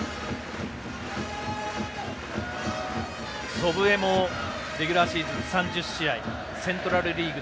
祖父江もレギュラーシーズン３０試合セントラル・リーグ